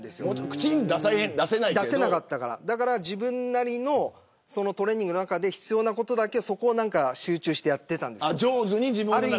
口に出せなかったから自分なりのトレーニングの中で必要なことだけ集中してやっていたんです。